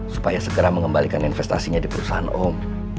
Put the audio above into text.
supaya segera mengembalikan investasinya di perusahaan om